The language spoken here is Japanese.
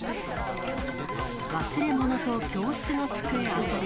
忘れ物と教室の机あさる。